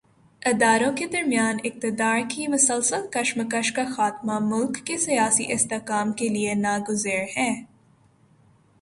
اداروں کے درمیان اقتدار کی مسلسل کشمکش کا خاتمہ، ملک کے سیاسی استحکام کے لیے ناگزیر ہے۔